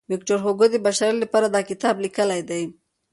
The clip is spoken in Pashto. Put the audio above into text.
ویکټور هوګو د بشریت لپاره دا کتاب لیکلی دی.